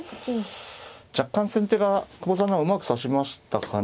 若干先手が久保さんの方がうまく指しましたかね。